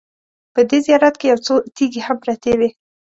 په دې زیارت کې یو څو تیږې هم پرتې وې.